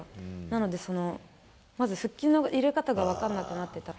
なので、まず腹筋の入れ方が分かんなくなってた。